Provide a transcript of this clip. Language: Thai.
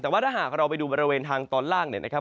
แต่ว่าถ้าหากเราไปดูบริเวณทางตอนล่างเนี่ยนะครับ